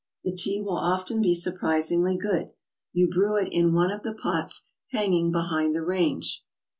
The tea will often be surprisingly good. You brew it in one of the pots hanging behind the range.